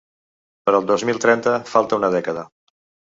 Per al dos mil trenta falta una dècada.